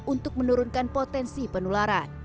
untuk menurunkan potensi penularan